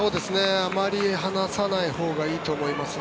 あまり離さないほうがいいと思います。